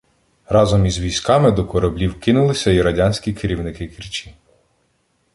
Разом із військами до кораблів кинулися і радянські керівники Керчі.